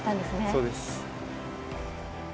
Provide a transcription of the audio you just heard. そうです。